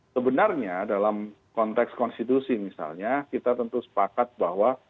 sebenarnya dalam konteks konstitusi misalnya kita tentu sepakat bahwa